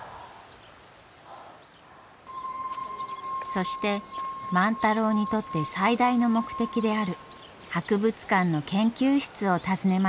そして万太郎にとって最大の目的である博物館の研究室を訪ねました。